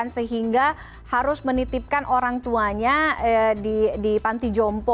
sehingga harus menitipkan orang tuanya di panti jompo